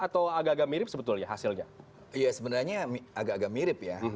atau agak agak mirip sebetulnya hasilnya ya sebenarnya agak agak mirip ya